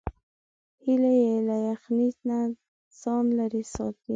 هیلۍ له یخنۍ نه ځان لیرې ساتي